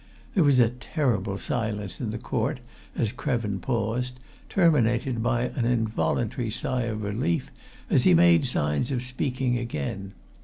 There was a terrible silence in the court as Krevin paused, terminated by an involuntary sigh of relief as he made signs of speaking again.